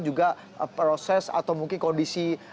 juga proses atau mungkin kondisi